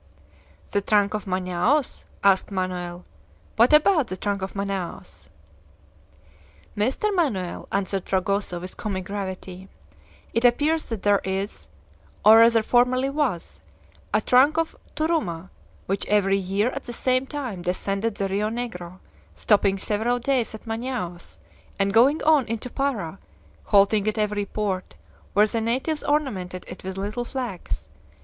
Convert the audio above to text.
"The 'trunk of Manaos'?" asked Manoel. "What about the trunk of Manaos?" "Mr. Manoel," answered Fragoso, with comic gravity, "it appears that there is or rather formerly was a trunk of 'turuma,' which every year at the same time descended the Rio Negro, stopping several days at Manaos, and going on into Para, halting at every port, where the natives ornamented it with little flags.